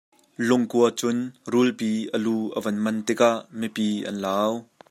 Lungkua cun rulpi a lu a van man tikah mipi an lau.